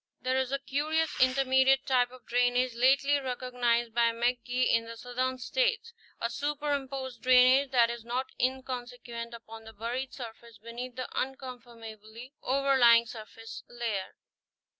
There is a curious intermediate type of drainage lately recog nized by McGee in the southern states, a superimposed drainage that is not inconsequent upon the buried surface beneath the unconformably overlying surface layer.